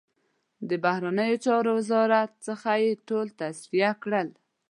د بهرنیو چارو له وزارت څخه یې ټول تصفیه کړل.